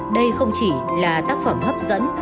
đây không chỉ là tác phẩm hấp dẫn